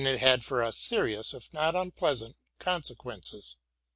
253 't had for us serious, if not unpleasant, consequences.